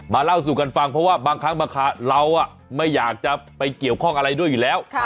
เล่าสู่กันฟังเพราะว่าบางครั้งบางครั้งเราไม่อยากจะไปเกี่ยวข้องอะไรด้วยอยู่แล้ว